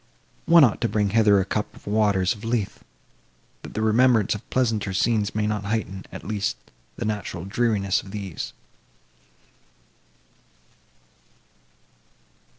One ought to bring hither a cup of the waters of Lethe, that the remembrance of pleasanter scenes may not heighten, at least, the natural dreariness of these."